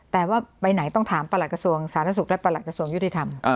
แต่ว่าไปไหนต้องถามประหลักกระทรวงสาธารณสุขและประหลักกระทรวงยุติธรรม